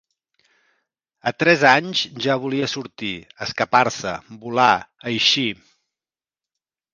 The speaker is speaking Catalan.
A tres anys ja volia sortir, escapar-se, volar, eixir